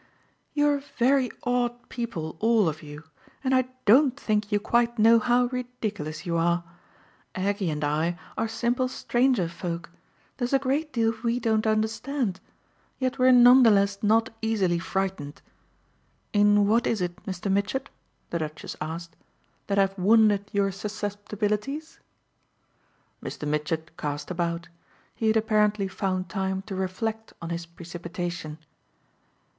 "You're very odd people all of you, and I don't think you quite know how ridiculous you are. Aggie and I are simple stranger folk; there's a great deal we don't understand, yet we're none the less not easily frightened. In what is it, Mr. Mitchett," the Duchess asked, "that I've wounded your susceptibilities?" Mr. Mitchett cast about; he had apparently found time to reflect on his precipitation.